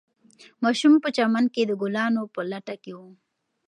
ماشوم په چمن کې د ګلانو په لټه کې و.